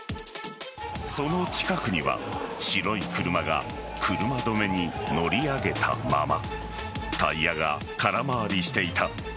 その近くには白い車が車止めに乗り上げたままタイヤが空回りしていた。